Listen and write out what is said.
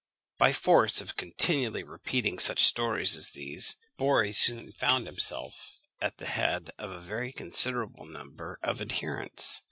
By force of continually repeating such stories as these, Borri soon found himself at the head of a very considerable number of adherents.